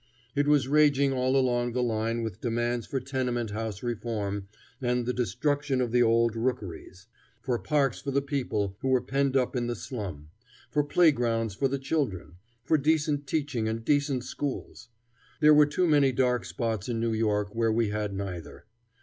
It was raging all along the line with demands for tenement house reform and the destruction of the old rookeries; for parks for the people who were penned up in the slum; for playgrounds for their children; for decent teaching and decent schools. There were too many dark spots in New York where we had neither.